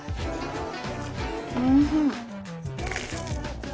おいしい。